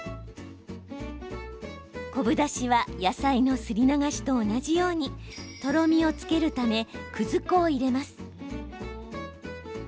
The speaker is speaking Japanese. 昆布だしは野菜のすり流しと同じようにとろみをつけるためくず粉を入れます。